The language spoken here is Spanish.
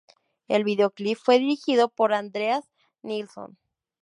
El video clip fue dirigido por "Andreas Nilsson".